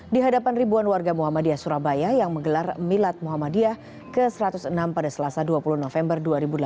di hadapan ribuan warga muhammadiyah surabaya yang menggelar milad muhammadiyah ke satu ratus enam pada selasa dua puluh november dua ribu delapan belas